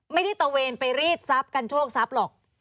ไม่ได้เป็นทะเวณไปรีดซับการโชคซับหรอก